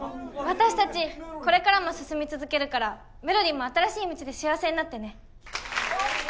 私たちこれからも進み続けるからメロりんも新しい道で幸せになってね。